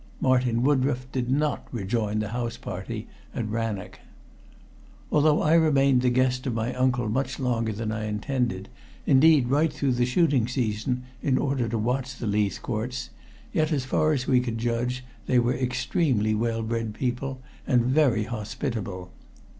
Martin Woodroffe did not rejoin the house party at Rannoch. Although I remained the guest of my uncle much longer than I intended, indeed right through the shooting season, in order to watch the Leithcourts, yet as far as we could judge they were extremely well bred people and very hospitable.